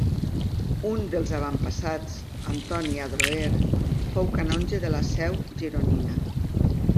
Un dels avantpassats, Antoni Adroer, fou canonge de la Seu gironina.